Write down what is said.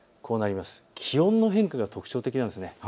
気温の変化が特徴的なんです。